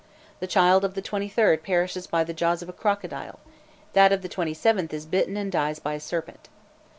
The child of the 23rd perishes by the jaws of a crocodile: that of the 27th is bitten and dies by a serpent.